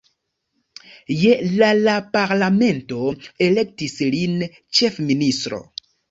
Je la la parlamento elektis lin ĉefministro.